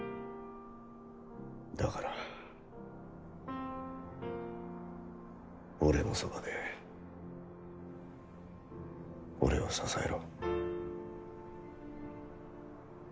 だから俺のそばで俺を支えろ。